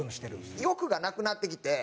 欲がなくなってきて。